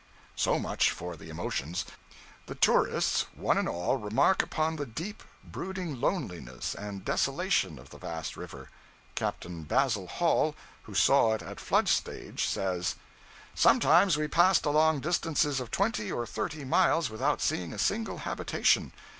So much for the emotions. The tourists, one and all, remark upon the deep, brooding loneliness and desolation of the vast river. Captain Basil Hall, who saw it at flood stage, says 'Sometimes we passed along distances of twenty or thirty miles without seeing a single habitation.